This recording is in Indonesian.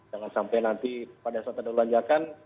jangan sampai nanti pada saat ada lonjakan